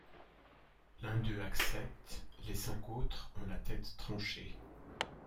L'un d'eux accepte, les cinq autres ont la tête tranchée.